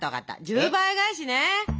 １０倍返しね。